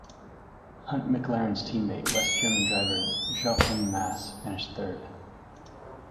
Hunt's McLaren team mate, West German driver Jochen Mass, finished third.